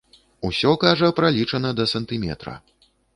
Усё, кажа, пралічана да сантыметра.